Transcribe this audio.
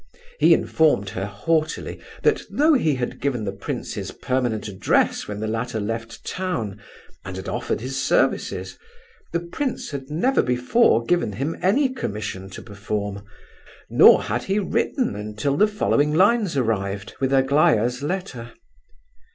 He informed her haughtily that though he had given the prince his permanent address when the latter left town, and had offered his services, the prince had never before given him any commission to perform, nor had he written until the following lines arrived, with Aglaya's letter.